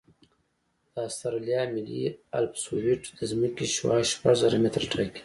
د اسټرالیا ملي الپسویډ د ځمکې شعاع شپږ زره متره ټاکي